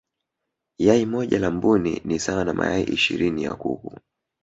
yai moja la mbuni ni sawa na mayai ishirini ya kuku